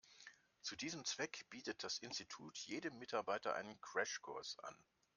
Zu diesem Zweck bietet das Institut jedem Mitarbeiter einen Crashkurs an.